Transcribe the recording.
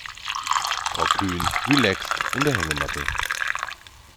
Frau Kühn relaxt in der Hängematte.